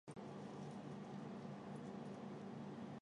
据报起初清理现场的消防人员也未佩戴防护装备。